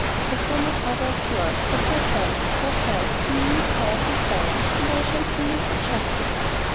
"I saw no brother of yours, but yourself. Yourself your mean and cowardly self and I shall bring you to justice."